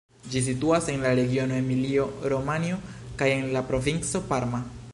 Ĝi situas en la regiono Emilio-Romanjo kaj en la provinco Parma.